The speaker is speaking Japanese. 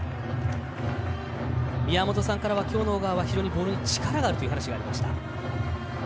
宮本さんからはきょうの小川は非常にボールに力があるという話がありました。